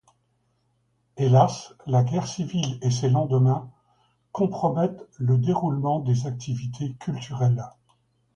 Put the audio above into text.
Hélas, la guerre civile et ses lendemains compromettent le déroulement des activités culturelles.